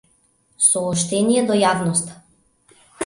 Сооштение до јавноста.